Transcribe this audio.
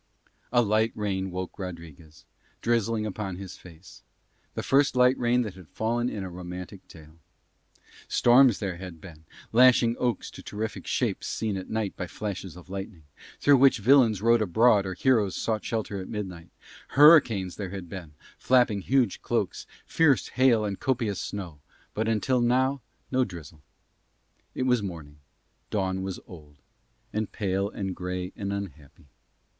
A light rain woke Rodriguez, drizzling upon his face; the first light rain that had fallen in a romantic tale. Storms there had been, lashing oaks to terrific shapes seen at night by flashes of lightning, through which villains rode abroad or heroes sought shelter at midnight; hurricanes there had been, flapping huge cloaks, fierce hail and copious snow; but until now no drizzle. It was morning; dawn was old; and pale and grey and unhappy.